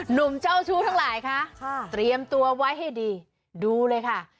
หนุ่มเจ้าชู้ทั้งหลายค่ะเตรียมตัวไว้ให้ดีดูเลยค่ะ